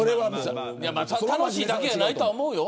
楽しいだけではないとは思うよ。